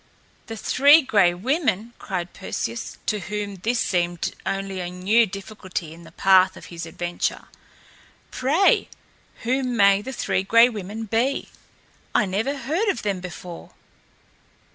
"The Three Gray Women!" cried Perseus, to whom this seemed only a new difficulty in the path of his adventure. "Pray, who may the Three Gray Women be? I never heard of them before."